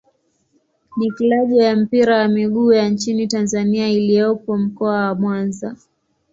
ni klabu ya mpira wa miguu ya nchini Tanzania iliyopo Mkoa wa Mwanza.